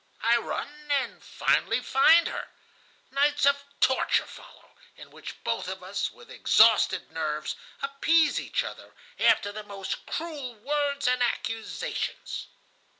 I run, and finally find her. Nights of torture follow, in which both of us, with exhausted nerves, appease each other, after the most cruel words and accusations.